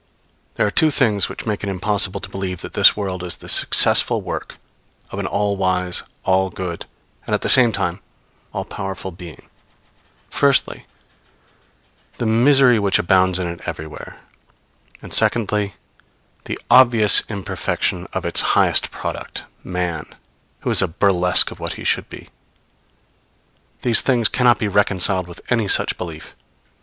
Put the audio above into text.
There are two things which make it impossible to believe that this world is the successful work of an all wise, all good, and, at the same time, all powerful Being; firstly, the misery which abounds in it everywhere; and secondly, the obvious imperfection of its highest product, man, who is a burlesque of what he should be. These things cannot be reconciled with any such belief.